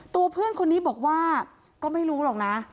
ตัวเพื่อนคนนี้บอกว่าก็ไม่รู้หรอกนะ